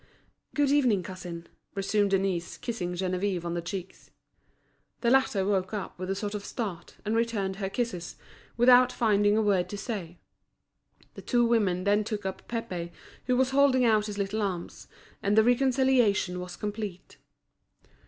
"Good evening, cousin," resumed Denise, kissing Geneviève on the cheeks. The latter woke up with a sort of start, and returned her kisses, without finding a word to say. The two women then took up Pépé, who was holding out his little arms, and the reconciliation was complete.